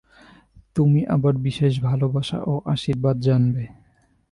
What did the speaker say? তুমি আমার বিশেষ ভালবাসা ও আশীর্বাদ জানবে।